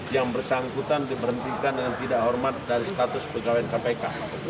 yang bersangkutan diberhentikan dengan tidak hormat dari status pegawai kpk